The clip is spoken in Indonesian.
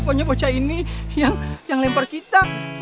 pokoknya bocah ini yang lempar kita